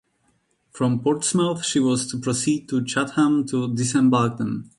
From Portsmouth she was to proceed to Chatham to disembark them.